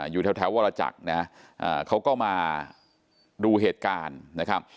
อยู่แถววรจักรนะเขาก็มาดูเหตุการณ์นะครับ